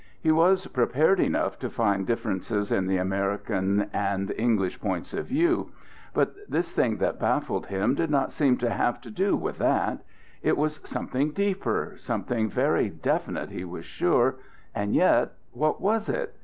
He was prepared enough to find differences in the American and English points of view. But this thing that baffled him did not seem to have to do with that; it was something deeper, something very definite, he was sure and yet, what was it?